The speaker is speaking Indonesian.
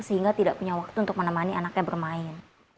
sehingga tidak punya waktu untuk menemani anaknya bermain